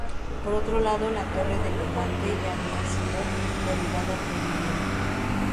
Por otro lado la torre de levante ya había sido derribada previamente.